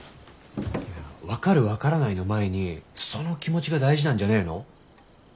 分かる分からないの前にその気持ちが大事なんじゃねえの？